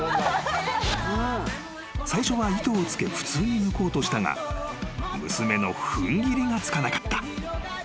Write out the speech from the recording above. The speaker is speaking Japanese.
［最初は糸をつけ普通に抜こうとしたが娘の踏ん切りがつかなかった］